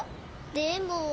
でも。